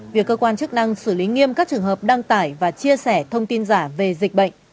việc cơ quan chức năng xử lý nghiêm các trường hợp đăng tải và chia sẻ thông tin giả về dịch bệnh